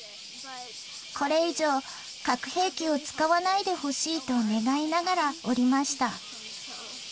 これ以上、核兵器を使わないでほしいと願いながら折りました。